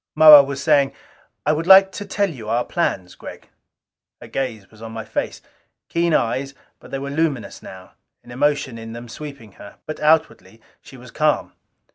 Moa was saying, "I would like to tell you our plans, Gregg." Her gaze was on my face. Keen eyes, but they were luminous now an emotion in them sweeping her. But outwardly she was calm.